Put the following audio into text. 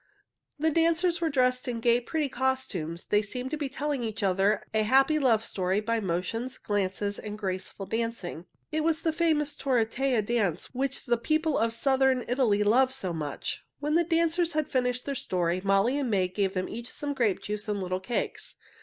The dancers were dressed in gay, pretty costumes. They seemed to be telling each other a happy love story by motions, glances, and graceful dancing. It was the famous tarantella dance which the people of Southern Italy love so much. When the dancers had finished their story, Molly and May gave them each some grape juice and little cakes.